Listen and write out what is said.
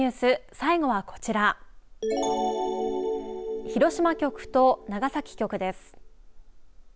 最後はこちら広島局と長崎局です。